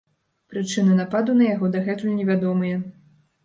Прычыны нападу на яго дагэтуль невядомыя.